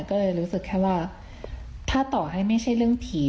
ก็เลยรู้สึกแค่ว่าถ้าต่อให้ไม่ใช่เรื่องผี